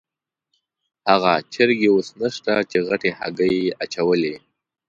هغه چرګې اوس نشته چې غټې هګۍ یې اچولې.